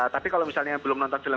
tapi kalau misalnya belum nonton film